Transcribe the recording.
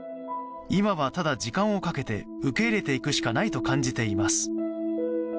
今はただ、時間をかけて受け入れていくしかないと感じています。